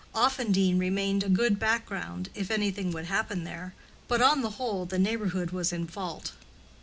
Offendene remained a good background, if anything would happen there; but on the whole the neighborhood was in fault.